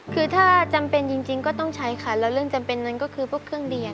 คือถ้าจำเป็นจริงก็ต้องใช้ค่ะแล้วเรื่องจำเป็นนั้นก็คือพวกเครื่องเรียน